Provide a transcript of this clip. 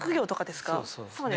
そうです。